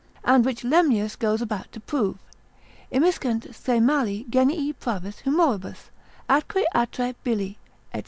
and which Lemnius goes about to prove, Immiscent se mali Genii pravis humoribus, atque atrae, bili, &c.